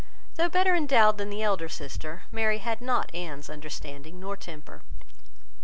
Though better endowed than the elder sister, Mary had not Anne's understanding nor temper.